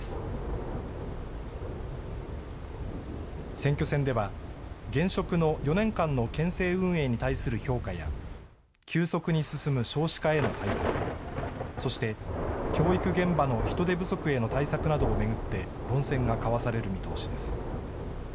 選挙戦では、現職の４年間の県政運営に対する評価や、急速に進む少子化への対策、そして教育現場の人手不足への対策などを巡って論戦が交わされる見通しです。